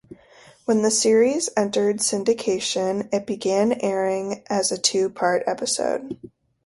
When the series entered syndication, it began airing as a two-part episode.